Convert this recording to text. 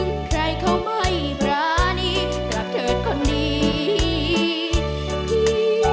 แต่วจากกลับมาท่าน้าที่รักอย่าช้านับสิสามเชย